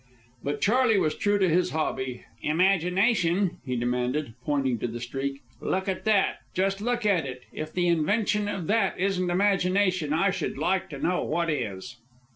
But Charley was true to his hobby. "Imagination?" he demanded, pointing to the Streak. "Look at that! Just look at it! If the invention of that isn't imagination, I should like to know what is."